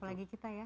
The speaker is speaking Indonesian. apalagi kita ya